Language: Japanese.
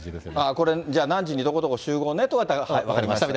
これ、じゃあ、何時にどこどこ集合ねとかだと、分かりましたと。